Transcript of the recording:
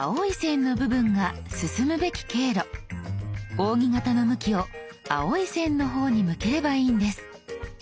扇形の向きを青い線の方に向ければいいんです。